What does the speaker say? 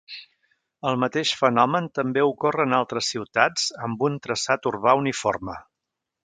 El mateix fenomen també ocorre en altres ciutats amb un traçat urbà uniforme.